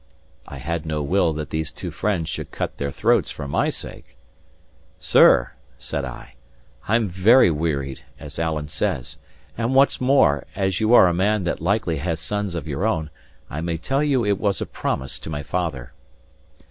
I had no will that these two friends should cut their throats for my sake. "Sir," said I, "I am very wearied, as Alan says; and what's more, as you are a man that likely has sons of your own, I may tell you it was a promise to my father."